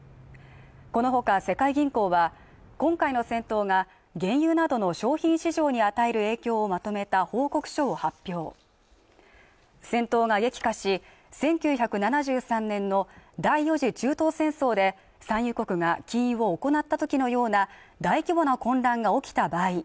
このほか世界銀行は今回の戦闘が原油などの商品市場に与える影響をまとめた報告書を発表戦闘が激化し１９７３年の第４次中東戦争で産油国が禁輸を行った時のような大規模な混乱が起きた場合